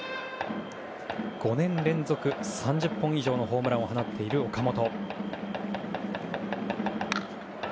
５年連続３０本以上のホームランを放っている岡本。